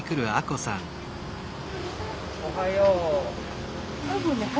おはよう。